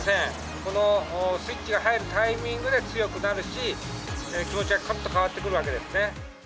このスイッチが入るタイミングで強くなるし、気持ちがくっと変わってくるわけですね。